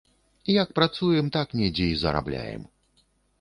Як працуем, так недзе і зарабляем.